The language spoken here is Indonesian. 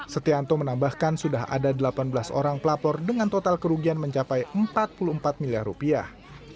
setianto menambahkan sudah ada delapan belas orang pelapor dengan total kerugian mencapai empat puluh empat miliar rupiah